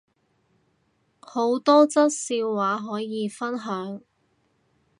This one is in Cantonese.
好多則笑話可以分享